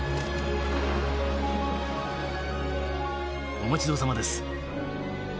お待ち遠さまです。